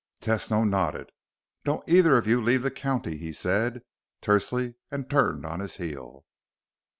Tesno nodded. "Don't either of you leave the county," he said tersely and turned on his heel.